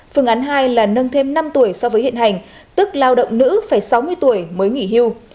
phương án hai là nâng thêm năm tuổi so với hiện hành tức lao động nữ phải sáu mươi tuổi mới nghỉ hưu